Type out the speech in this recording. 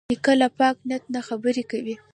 نیکه له پاک نیت نه خبرې کوي.